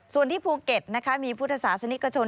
ส่วนที่ภูเก็ตนะคะมีพุทธศาสนิกชน